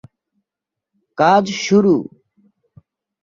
কাজ শুরু।